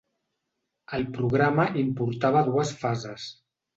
El programa importava dues fases.